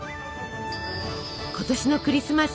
今年のクリスマス。